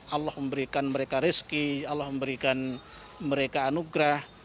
allah memberikan mereka rezeki allah memberikan mereka anugerah